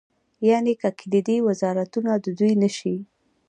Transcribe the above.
یعنې که کلیدي وزارتونه د دوی نه شي.